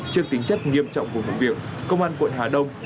trước tính chất nghiêm trọng của vụ việc công an quận hà đông